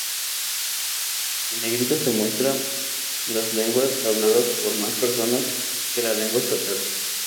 En negrita se muestran las lenguas habladas por más personas que la lengua estatal.